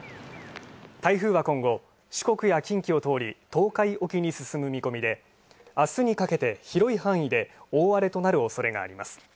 台風は、今後、四国や近畿を通り東海沖に進む見込みであすにかけて広い範囲で大荒れとなるおそれがあります。